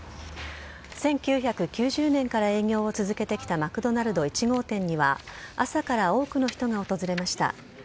１９９０年から営業を続けてきたマクドナルド１号店には、朝から多くの人が訪れました。